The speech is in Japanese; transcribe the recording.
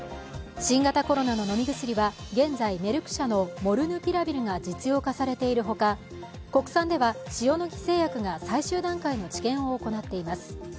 新型コロナの飲み薬は現在メルク社のモルヌピラビルが実用化されているほか国産では塩野義製薬が最終段階の治験を行っています。